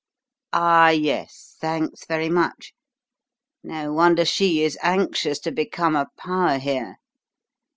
"Ah, yes. Thanks very much. No wonder she is anxious to become a power here.